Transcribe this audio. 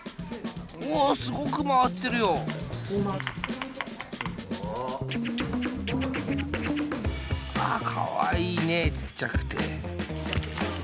うわっすごくまわってるよ。わかわいいねえちっちゃくて。